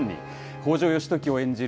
北条義時を演じる